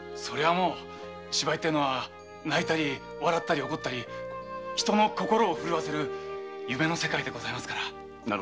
もう芝居っていうのは泣いたり笑ったり怒ったり人の心を奮わせる夢の世界でございますから。